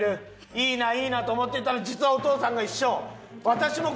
いいないいなと思っていたら実はお父さんが一緒。